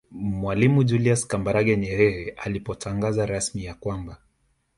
Mwalimu Julius Kambarage Nyerere alipotangaza rasmi ya kwamba